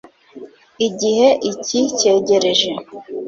igihe icyi cyegereje